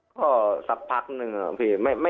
ก็สักพักหนึ่งอะพี่